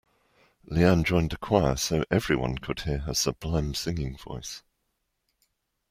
Leanne joined a choir so everyone could hear her sublime singing voice.